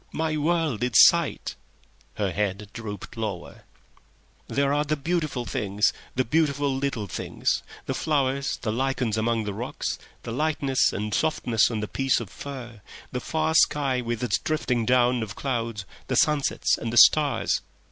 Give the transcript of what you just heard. "My world is sight." Her head drooped lower. "There are the beautiful things, the beautiful little things—the flowers, the lichens amidst the rocks, the light and softness on a piece of fur, the far sky with its drifting dawn of clouds, the sunsets and the stars.